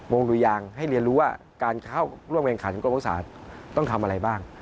งดูยางให้เรียนรู้ว่าการเข้าร่วมแข่งขันกรมอุตสาห์ต้องทำอะไรบ้าง